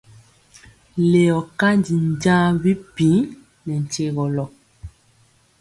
Leyɔ kanji njaŋ bipiiŋ nɛ nkyegɔlɔ.